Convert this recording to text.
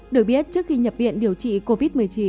được biết trước khi nhập viện điều trị covid một mươi chín